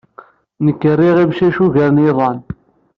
Nekk riɣ imcac ugar n yiḍan.